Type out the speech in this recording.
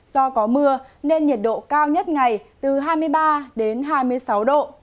do có mưa nên nhiệt độ cao nhất ngày từ hai mươi ba đến hai mươi sáu độ